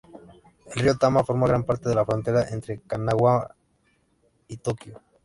El río Tama forma gran parte de la frontera entre Kanagawa y Tokio.